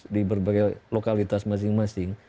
di berbagai lokalitas masing masing